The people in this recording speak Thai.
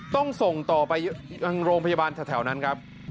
ต้องส่งต่อไปยังโรงพยาบาลแถวนั้นครับ